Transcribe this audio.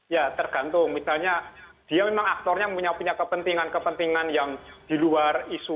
ya tergantung misalnya dia memang aktornya punya kepentingan kepentingan yang di luar isu